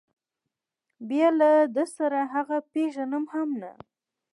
بیا له ده سره هغه پېژني هم نه.